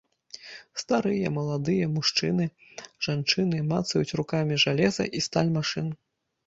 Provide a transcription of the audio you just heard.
Старыя, маладыя, мужчыны, жанчыны мацаюць рукамі жалеза і сталь машын.